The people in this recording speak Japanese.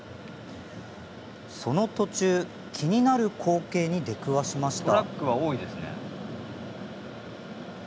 その途中、気になる光景に出くわしました。